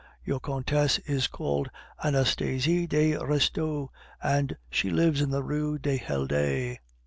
Your countess is called Anastasie de Restaud, and she lives in the Rue du Helder."